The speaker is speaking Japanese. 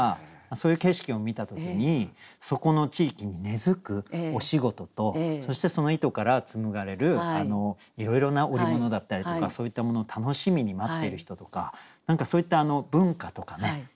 そういう景色を見た時にそこの地域に根づくお仕事とそしてその糸から紡がれるいろいろな織物だったりとかそういったものを楽しみに待っている人とか何かそういった文化とかね。